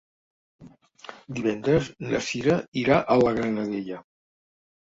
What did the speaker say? Divendres na Cira irà a la Granadella.